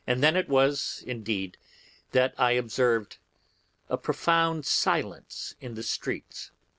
Then it was indeed that I observed a profound silence in the streets.